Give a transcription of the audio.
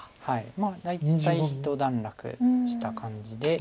まあ大体ひと段落した感じで。